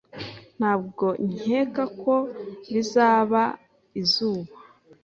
Ntabwo nkeka ko bizaba izuba.